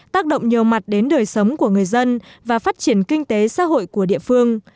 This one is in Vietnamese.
tác động nhiều mặt đến đời sống của người dân và phát triển kinh tế xã hội của địa phương